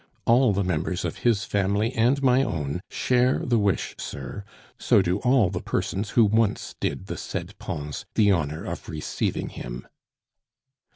All the members of his family and my own share the wish, sir, so do all the persons who once did the said Pons the honor of receiving him."